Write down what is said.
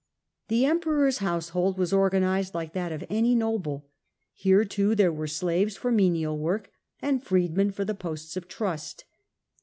The Emperor's household was or ganised like that of any noble. Here, too, there were slaves for menial work, and freedmen for the and m the ,, imperial posts of trust.